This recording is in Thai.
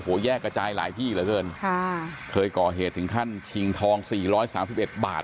โอ้โหแยกกระจายหลายที่เหลือเกินค่ะเคยก่อเหตุถึงขั้นชิงทองสี่ร้อยสามสิบเอ็ดบาท